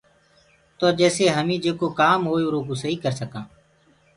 تو جيسي هميٚ جيڪو ڪآم هوئي اُرو ڪوٚ سهيٚ ڪر سڪانٚ۔